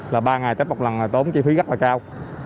là ba ngày tết một lần là tốn chi phí rất là cao